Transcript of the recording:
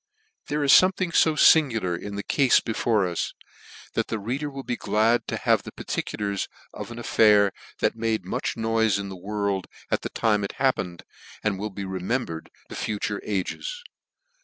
HPHERE is fomething fo fingular in the cafe T before us, that the reader will be glad to have the particulars of an affair that made much noife in the world at the time it happened, and will be remembered to future ages.